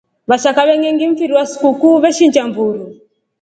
Vashaka vyenyengi mfiri wa sukuku veshinja mburu.